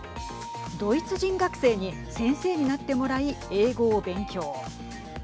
ドイツ人学生に先生になってもらい英語を勉強。